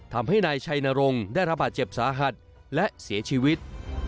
ทำให้นายชัยนรงค์ได้ระบาดเจ็บสาหัสและเสียชีวิต